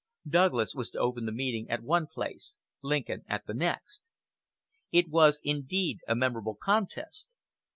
Douglas was to open the meeting at one place, Lincoln at the next. It was indeed a memorable contest.